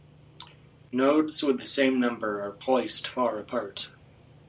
Nodes with the same number are placed far apart.